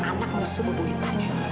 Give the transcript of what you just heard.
anak musuh kebunyitannya